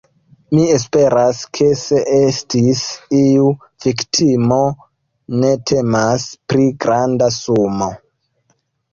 Mi esperas ke se estis iu viktimo, ne temas pri granda sumo.